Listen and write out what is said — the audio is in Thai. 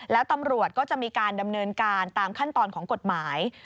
แล้วตำรวจก็จะมีการดำเนินการตามขั้นตอนของกฎหมาย